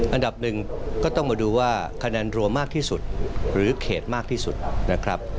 อันดับหนึ่งก็ต้องมาดูว่าคะแนนรวมมากที่สุดหรือเขตมากที่สุดนะครับ